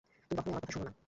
তুমি কখনই আমার কথা শোন না।